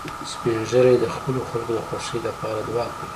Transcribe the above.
سپین ږیری د خپلو خلکو د خوښۍ لپاره دعا کوي